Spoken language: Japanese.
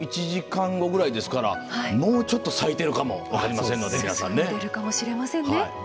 １時間後ぐらいですからもうちょっと咲いてるかもしれませんのでね。